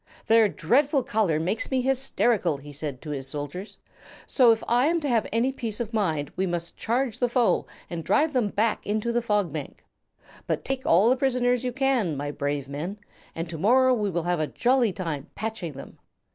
"Their dreadful color makes me hysterical," he said to his soldiers, "so if I am to have any peace of mind we must charge the foe and drive them back into the Fog Bank. But take all the prisoners you can, my brave men, and to morrow we will have a jolly time patching them.